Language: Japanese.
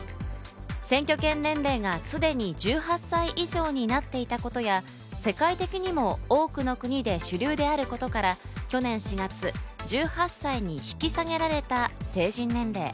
選挙権年齢がすでに１８歳以上になっていたことや、世界的にも多くの国で主流であることから、去年４月、１８歳に引き下げられた成人年齢。